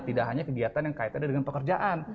tidak hanya kegiatan yang kaitannya dengan pekerjaan